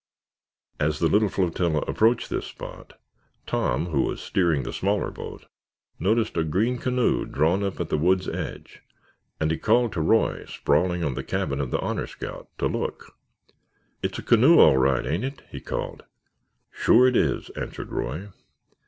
As the little flotilla approached this spot, Tom who was steering the smaller boat noticed a green canoe drawn up at the wood's edge, and he called to Roy, sprawling on the cabin of the Honor Scout, to look. "It's a canoe all right, ain't it?" he called. "Sure it is," answered Roy.